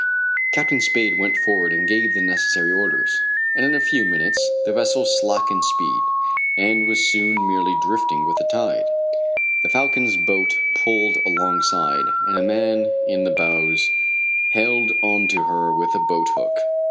Captain Spade went forward and gave the necessary orders, and in a few minutes the vessel slackened speed, and was soon merely drifting with the tide. The Falcon's boat pulled alongside, and a man in the bows held on to her with a boat hook.